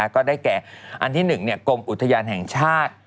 ก็ได้แก่อันที่๑กรมอุทยานแห่งชาติ